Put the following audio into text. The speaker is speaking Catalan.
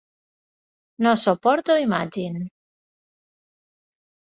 No suporto Imagine.